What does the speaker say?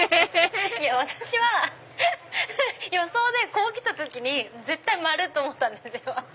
私は予想でこう来た時に絶対丸と思ったんですよ。